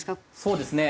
そうですね。